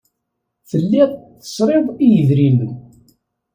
Telliḍ tesriḍ i yedrimen.